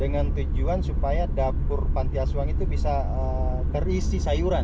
dengan tujuan supaya dapur panti asuhan itu bisa terisi sayuran